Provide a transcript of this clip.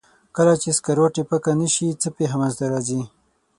کله چې سکروټې پکه نه شي څه پېښه منځ ته راځي؟